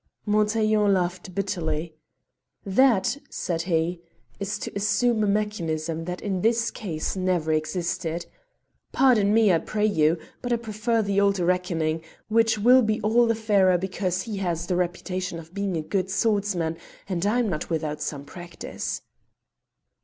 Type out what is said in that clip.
Montaiglon laughed bitterly. "That," said he, "is to assume a mechanism that in his case never existed. Pardon me, I pray you, but I prefer the old reckoning, which will be all the fairer because he has the reputation of being a good swordsman, and I am not without some practice."